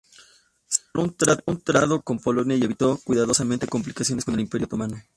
Cerró un tratado con Polonia y evitó cuidadosamente complicaciones con el Imperio otomano.